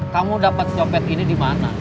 kamu dapat copet ini dimana